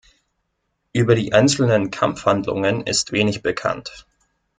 Über die einzelnen Kampfhandlungen ist wenig bekannt.